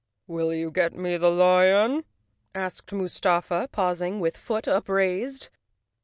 "Will you get me the lion?" asked Mustafa, paus¬ ing with foot upraised.